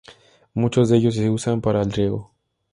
Muchos de ellos se usan para el riego.